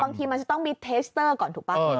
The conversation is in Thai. บางทีมันจะต้องมีเทสเตอร์ก่อนถูกป่ะ